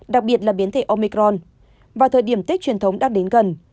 đặc biệt là biến thể omicron vào thời điểm tết truyền thống đang đến gần